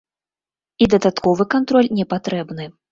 І дадатковы кантроль не патрэбны.